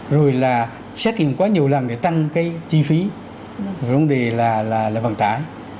rồi là xét nghiệm quá nhiều lần để tăng cái chi phí vấn đề là là là vận tải